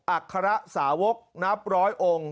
อัคระสาวกนับร้อยองค์